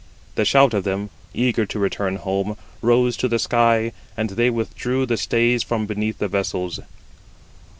The shout of them, eager [to return] home, rose to the sky, and they withdrew the stays from beneath the vessels.